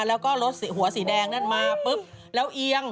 แล้วก็รถหัวสีแดงนั่นมาปุ๊บแล้วเอียง